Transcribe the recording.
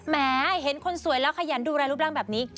แม้เห็นคนสวยแล้วขยันดูแลรูปร่างแบบนี้